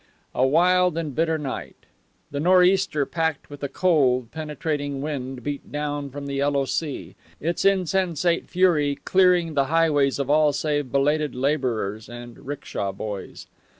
A wild and bitter night. The nor'easter, packed with a cold, penetrating rain, beat down from the Yellow Sea, its insensate fury clearing the highways of all save belated labourers and 'ricksha boys.